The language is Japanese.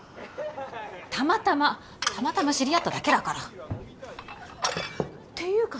たまたまたまたま知り合っただけだからていうか